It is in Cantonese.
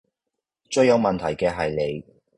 最有問題既係你